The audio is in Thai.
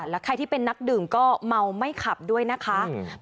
แล้วใครที่เป็นนักดื่มก็เมาไม่ขับด้วยนะคะ